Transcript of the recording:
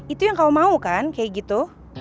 itu yang kau mau kan kayak gitu